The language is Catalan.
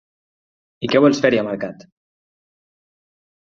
I què vols fer-hi a mercat?